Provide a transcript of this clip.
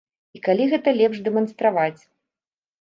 І калі гэта лепш дэманстраваць?